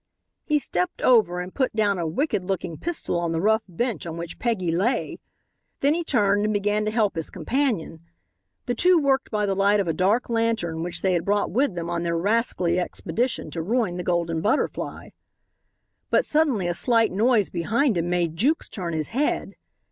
He stepped over and put down a wicked looking pistol on the rough bench on which Peggy lay. Then he turned and began to help his companion. The two worked by the light of a dark lantern which they had brought with them on their rascally expedition to ruin the Golden Butterfly. But suddenly a slight noise behind him made Jukes turn his head.